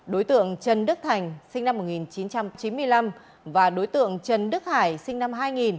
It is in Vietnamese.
đối tượng trần đức thành sinh năm một nghìn chín trăm chín mươi năm và đối tượng trần đức hải sinh năm hai nghìn